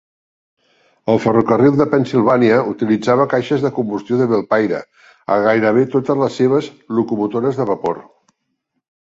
El Ferrocarril de Pennsilvània utilitzava caixes de combustió de Belpaire a gairebé totes les seves locomotores de vapor.